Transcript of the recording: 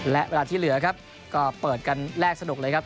และเวลาที่เหลือครับก็เปิดกันแรกสนุกเลยครับ